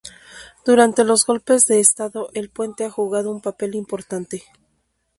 Durante los golpes de estado el puente ha jugado un papel importante.